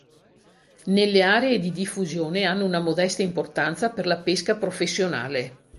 Nelle aree di diffusione hanno una modesta importanza per la pesca professionale.